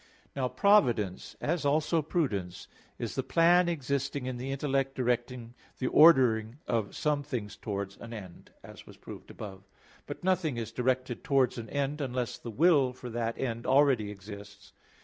Now providence, as also prudence, is the plan existing in the intellect directing the ordering of some things towards an end; as was proved above (Q. 22, A. 2). But nothing is directed towards an end unless the will for that end already exists.